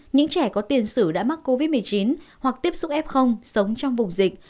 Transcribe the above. những trẻ có tiền sử đã mắc covid một mươi chín hoặc tiếp xúc f sống trong vùng dịch